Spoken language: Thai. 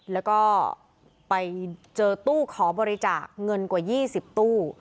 แล้วก็ไปเจอตู้ขอบริจาคเงินกว่า๒๐ตู้